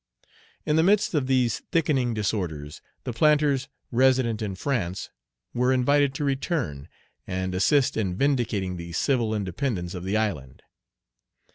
In the midst of these thickening disorders, the planters resident in France were invited to return, and assist in vindicating the civil independence of the island.